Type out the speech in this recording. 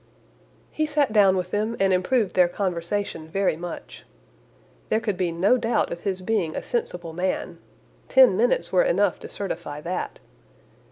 He sat down with them, and improved their conversation very much. There could be no doubt of his being a sensible man. Ten minutes were enough to certify that.